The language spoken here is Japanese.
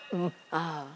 ああ。